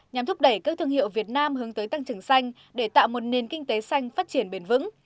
nhằm thúc đẩy các thương hiệu việt nam hướng tới tăng trưởng xanh để tạo một nền kinh tế xanh phát triển bền vững